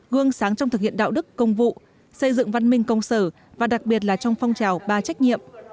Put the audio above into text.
gương sáng trong thực hiện đạo đức công vụ xây dựng văn minh công sở và đặc biệt là trong phong trào ba trách nhiệm